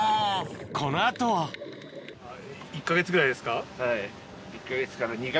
この後は１か月ぐらいですか？